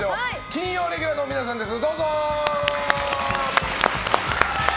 金曜レギュラーの皆さんです！